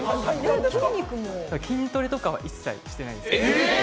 筋トレとかは一切してないです。